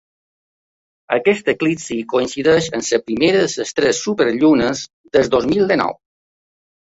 Aquest eclipsi coincideix amb la primera de les tres superllunes del dos mil dinou.